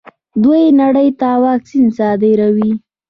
دوی نړۍ ته واکسین صادروي.